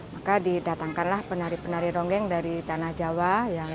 maka didatangkanlah penari penari ronggeng dari tanah jawa